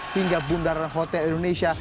hingga bundaran hotel indonesia